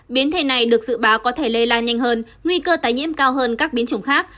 biến thể này được dự báo có thể lây lan nhanh hơn nguy cơ tái nhiễm cao hơn các biến chủng khác